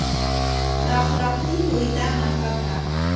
د اخلاقي لوېدا نښه دی.